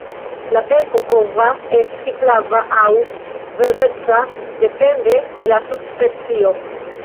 La beko povas esti flava aŭ verdeca depende de la subspecio.